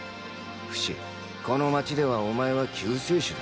フシこの街ではお前は救世主だ。